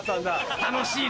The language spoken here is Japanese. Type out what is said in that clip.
楽しいね。